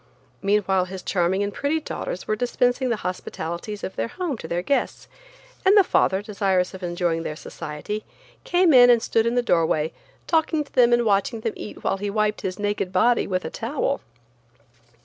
Meanwhile his charming and pretty daughters were dispensing the hospitalities of their home to their guests, and the father, desirous of enjoying their society, came and stood in the doorway, talking to them and watching them eat while he wiped his naked body with a towel!